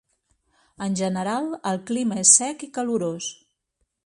En general, el clima és sec i calorós.